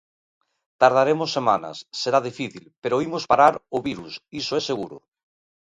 Tardaremos semanas, será difícil, pero imos parar o virus, iso é seguro.